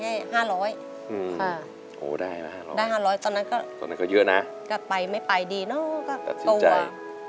อืมโหได้ละ๕๐๐ตอนนั้นก็กลับไปไม่ไปดีเนอะก็ตัวว่าก็ตัดสินใจ